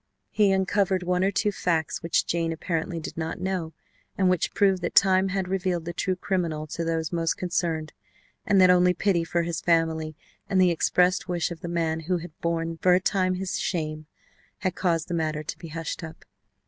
He uncovered one or two facts which Jane apparently did not know, and which proved that time had revealed the true criminal to those most concerned and that only pity for his family, and the expressed wish of the man who had borne for a time his shame, had caused the matter to be hushed up.